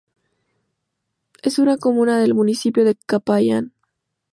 Es una comuna del municipio de Capayán.